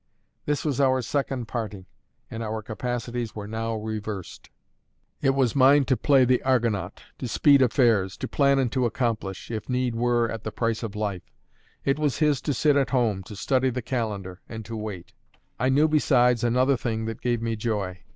This was our second parting, and our capacities were now reversed. It was mine to play the Argonaut, to speed affairs, to plan and to accomplish if need were, at the price of life; it was his to sit at home, to study the calendar, and to wait. I knew besides another thing that gave me joy.